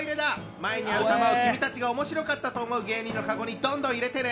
前にある玉を君たちがおもしろかったと思う芸人のカゴにどんどん入れてね！